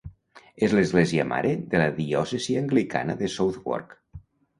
És l'església mare de la diòcesi anglicana de Southwark.